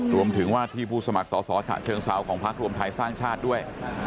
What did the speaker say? รวมถึงว่าที่ผู้สมัครสศเชิงเศร้าของพลักษณ์ทรวมไทยสร้างชาติด้วย